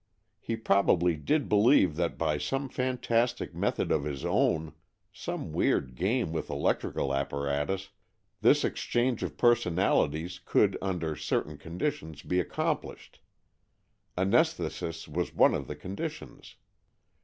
He probably did believe that by some fantastic method of his own — some weird game with electrical apparatus — this exchange of personalities could under cer tain conditions be accomplished. Anaesthesis was one of the conditions.